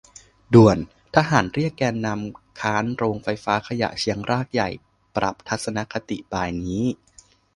ด่วน ! ทหารเรียกแกนนำค้านโรงไฟฟ้าขยะเชียงรากใหญ่ปรับทัศนคติบ่ายนี้